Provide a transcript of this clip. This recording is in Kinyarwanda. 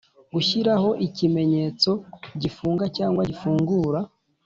gushyiraho ikimenyetso gifunga cyangwa gifungura